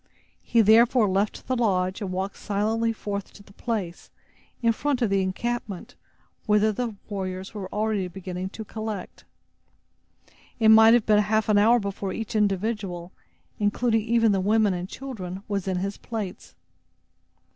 He, therefore, left the lodge and walked silently forth to the place, in front of the encampment, whither the warriors were already beginning to collect. It might have been half an hour before each individual, including even the women and children, was in his place.